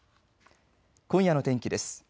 今夜の天気です。